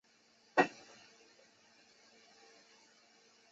她的生母庄宪皇后王氏。